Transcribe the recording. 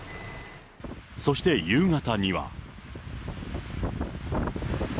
そして夕方には。